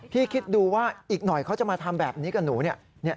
คิดดูว่าอีกหน่อยเขาจะมาทำแบบนี้กับหนูเนี่ย